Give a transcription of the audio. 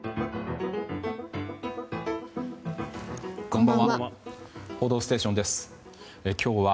こんばんは。